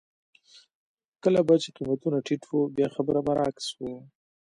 کله به چې قېمتونه ټیټ وو بیا خبره برعکس وه.